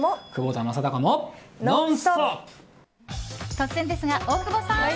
突然ですが、大久保さん！